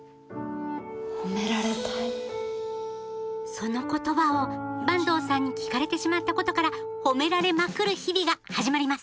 その言葉を坂東さんに聞かれてしまったことから「褒められまくる」日々が始まります！